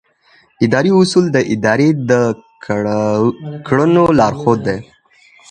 اداري اصول د ادارې د کړنو لارښود دي.